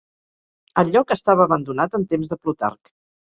El lloc estava abandonat en temps de Plutarc.